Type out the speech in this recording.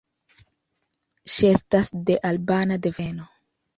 Ŝi estas de albana deveno.